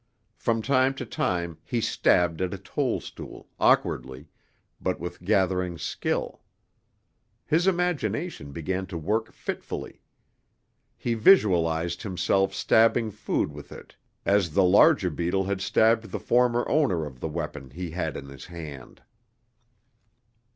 From time to time he stabbed at a toadstool, awkwardly, but with gathering skill. His imagination began to work fitfully. He visualized himself stabbing food with it as the larger beetle had stabbed the former owner of the weapon he had in his hand.